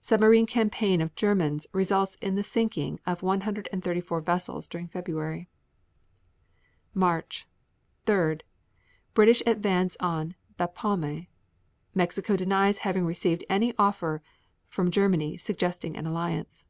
Submarine campaign of Germans results in the sinking of 134 vessels during February. March 3. British advance on Bapaume. 3. Mexico denies having received an offer from Germany suggesting an alliance.